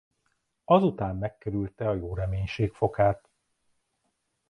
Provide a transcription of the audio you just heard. Azután megkerülte a Jóreménység-fokát.